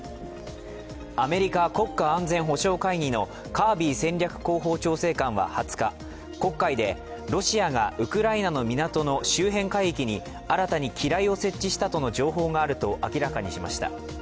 アメリカ国家安全保障会議のカービー戦略広報調整官は２０日黒海でロシアがウクライナの港の周辺海域に新たに機雷を設置したとの情報があると明らかにしました。